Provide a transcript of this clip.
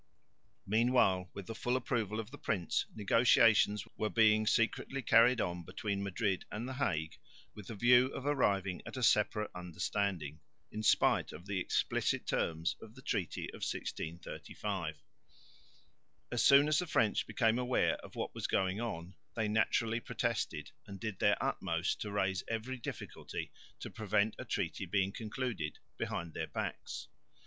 Meanwhile, with the full approval of the prince, negotiations were being secretly carried on between Madrid and the Hague with the view of arriving at a separate understanding, in spite of the explicit terms of the treaty of 1635. As soon as the French became aware of what was going on, they naturally protested and did their utmost to raise every difficulty to prevent a treaty being concluded behind their backs.